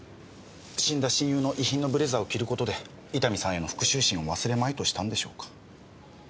死んだ親友の遺品のブレザーを着る事で伊丹さんへの復讐心を忘れまいとしたんでしょうか。